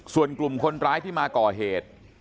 ส่วนกลุ่มคนร้ายที่มาก่อเหตุ